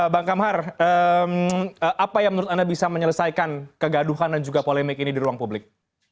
bang kamhar apa yang menurut anda bisa menyelesaikan kegaduhan dan juga polemik ini di ruang publik